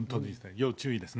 要注意ですね。